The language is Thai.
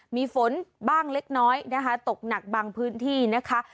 มีฝนบ้างเล็กน้อยนะคะตกหนักบางพื้นที่นะคะ